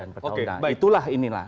nah itulah inilah